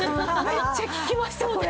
めっちゃ効きましたこれ。